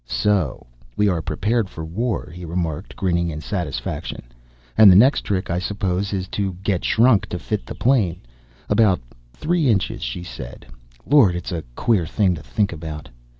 "So we are prepared for war," he remarked, grinning in satisfaction. "And the next trick, I suppose, is to get shrunk to fit the plane. About three inches, she said. Lord, it's a queer thing to think about!"